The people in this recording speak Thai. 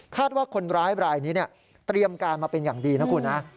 ว่าคนร้ายรายนี้เตรียมการมาเป็นอย่างดีนะคุณนะ